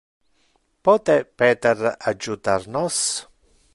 Pote Peter adjutar nos?